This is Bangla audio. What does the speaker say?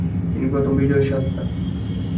তিনি প্রথম বিজয়ের স্বাদ পান।